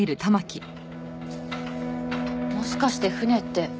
もしかして船って。